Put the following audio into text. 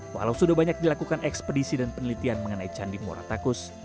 walau sudah banyak dilakukan ekspedisi dan penelitian mengenai candi muaratakus